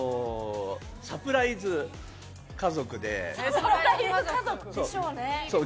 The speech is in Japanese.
「サプライズ家族」？